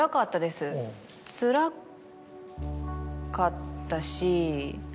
つらかったし。